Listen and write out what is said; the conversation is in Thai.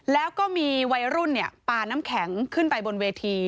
แล้วก็มีวัยรุ่นปลาน้ำแข็งขึ้นไปบนเวที